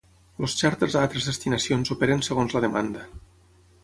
Els xàrters a altres destinacions operen segons la demanda.